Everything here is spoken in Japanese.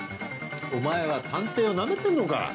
お前は探偵をナメてんのか。